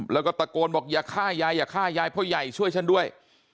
แล้วก็ตะโกนบอกอย่าฆ่ายายอย่าฆ่ายายพ่อใหญ่ช่วยฉันด้วย